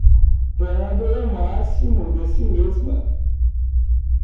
Dando o máximo de si mesma